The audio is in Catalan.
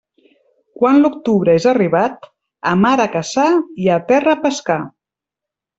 Quan l'octubre és arribat, a mar a caçar i a terra a pescar.